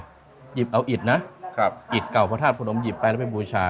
หยิบเอาอิดนะอิดเก่าพระธาตุพระนมหยิบไปแล้วไปบูชา